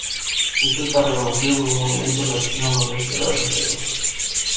Esto está reconocido por un monumento en la esquina noroeste de la reserva.